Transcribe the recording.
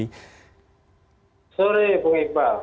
selamat sore bung iqbal